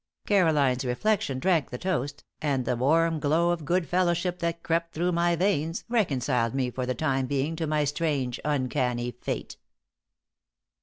Caroline's reflection drank the toast, and the warm glow of good fellowship that crept through my veins reconciled me for the time being to my strange, uncanny fate.